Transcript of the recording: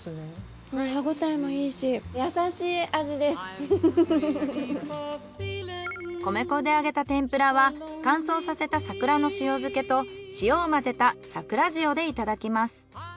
熊切さんも米粉で揚げた天ぷらは乾燥させた桜の塩漬けと塩を混ぜた桜塩でいただきます。